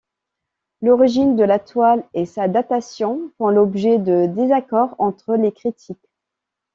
L’origine de la toile et sa datation font l'objet de désaccords entre les critiques.